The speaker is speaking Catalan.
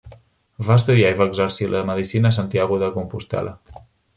Va estudiar i va exercir la medicina a Santiago de Compostel·la.